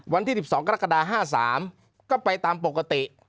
วันที่๑๒กรกฎา๕๓ก็ไปตามปกติ